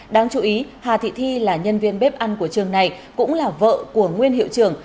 đáng chú ý hà thị thi là nhân viên bếp ăn của trường này cũng là vợ của nguyên hiệu trưởng